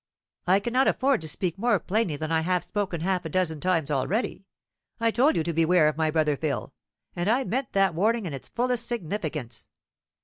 "I cannot afford to speak more plainly than I have spoken half a dozen times already. I told you to beware of my brother Phil, and I meant that warning in its fullest significance.